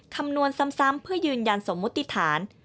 คำนวณซ้ำเพื่อยืนยันสมมติฐาน